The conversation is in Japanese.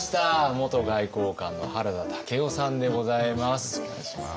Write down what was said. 元外交官の原田武夫さんでございます。